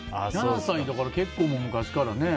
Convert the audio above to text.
７歳だから結構昔からね。